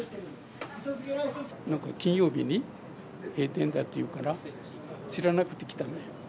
なんか金曜日に閉店だっていうから、知らなくて来たんだよ。